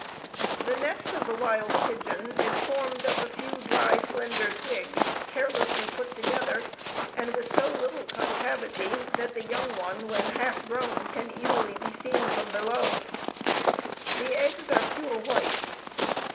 The nest of the wild pigeon is formed of a few dry slender twigs, carelessly put together, and with so little concavity that the young one, when half grown, can easily be seen from below. The eggs are pure white.